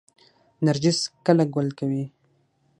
نرجس کله ګل کوي؟